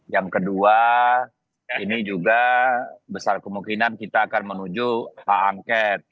yang kedua ini juga besar kemungkinan kita akan menuju hak angket